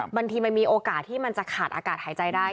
บางทีมันมีโอกาสที่มันจะขาดอากาศหายใจได้